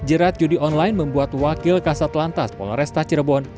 jerat judi online membuat wakil kasat lantas poloresta cirebon